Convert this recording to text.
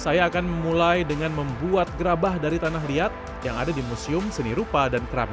saya akan memulai dengan membuat gerabah dari tanah liat yang ada di museum seni rupa dan keramik